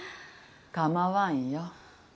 構わんよ。